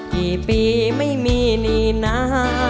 กี่ปีไม่มีนี่นะ